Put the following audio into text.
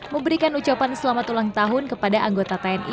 memberikan ucapan selamat ulang tahun kepada anggota tni